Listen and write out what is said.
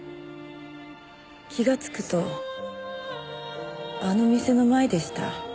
気がつくとあの店の前でした。